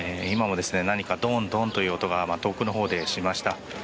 今も何かドーンドーンという音が遠くのほうでしました。